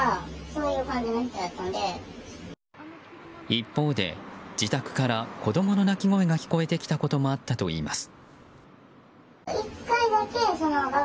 一方で、自宅から子供の泣き声が聞こえてきたこともあったといいます。